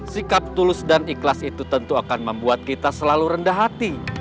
sikap tulus dan ikhlas itu tentu akan membuat kita selalu rendah hati